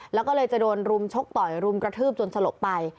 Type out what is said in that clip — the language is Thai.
แล้วก็เลยจะโดนรุมชกต่อยรุมกระทืบจนสลบไป